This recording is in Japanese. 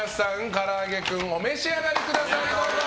からあげクンお召し上がりください。